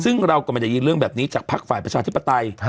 ซึ่งเราก็ไม่ได้ยินเรื่องแบบนี้จากภักดิ์ฝ่ายประชาธิปไตย